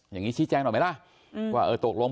อย่างนี้ชี้แจงหน่อยไหมล่ะว่าเออตกลง